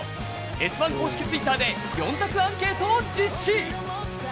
「Ｓ☆１」公式ツイッターで４択アンケートを実施。